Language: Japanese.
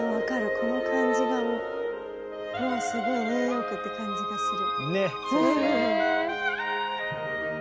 この感じがもうすごいニューヨークって感じがする。